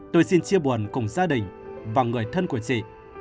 tôi xin chia buồn cùng gia đình và người thân của chị